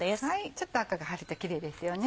ちょっと赤が入るとキレイですよね。